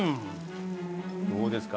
どうですか？